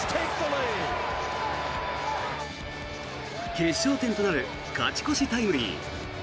決勝点となる勝ち越しタイムリー。